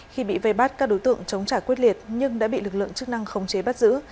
khi bị vây bắt các đối tượng chống trả quyết liệt nhưng đã bị lực lượng chức năng khống chế bắt giữ